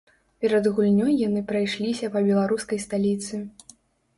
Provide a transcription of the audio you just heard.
Перад гульнёй яны прайшліся па беларускай сталіцы.